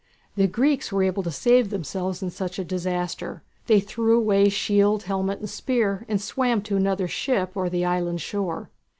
The Greeks were able to save themselves in such a disaster. They threw away shield, helmet, and spear, and swam to another ship or to the island shore.